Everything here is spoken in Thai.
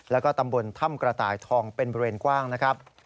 แล้วก็ตำบลถ้ำกระต่ายทองเป็นบริเวณกว้างนะครับ